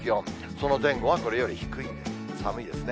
その前後はこれより低い、寒いですね。